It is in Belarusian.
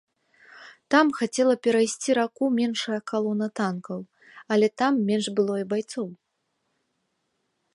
Там хацела перайсці раку меншая калона танкаў, але там менш было і байцоў.